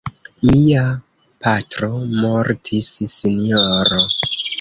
Mia patro mortis, sinjoro.